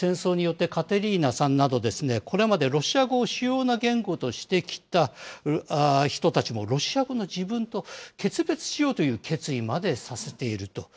戦争によってカテリーナさんなど、これまでロシア語を主要な言語としてきた人たちも、ロシア語の自分と決別しようという決意までさせていると。